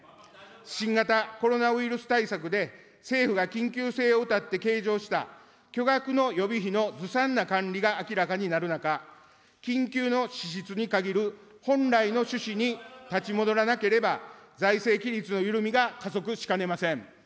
新型コロナウイルス対策で政府が緊急性をうたって計上した巨額の予備費のずさんな管理が明らかになる中、緊急の支出に限る本来の趣旨に立ち戻らなければ、財政規律の緩みが加速しかねません。